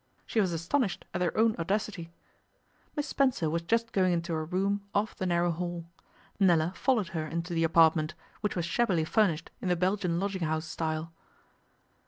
She was astonished at her own audacity. Miss Spencer was just going into a room off the narrow hall. Nella followed her into the apartment, which was shabbily furnished in the Belgian lodging house style.